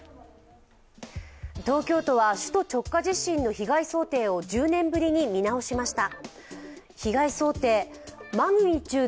東京都は首都直下地震の被害想定を１０年ぶりに見直しました。